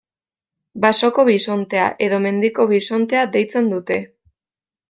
Basoko bisontea edo Mendiko bisontea deitzen dute.